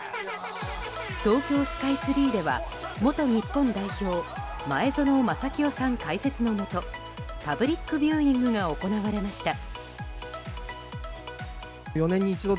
東京スカイツリーでは元日本代表前園真聖さん解説のもとパブリックビューイングが行われました。